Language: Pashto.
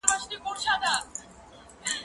دا مينه له هغه ښکلي ده؟